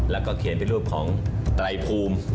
แล้วก็เขียนเป็นรูปของไตรภูมิ